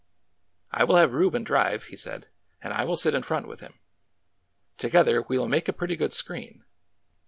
" I will have Reuben drive,'^ he said, and I will sit in front with him. Together, we will make a pretty good screen.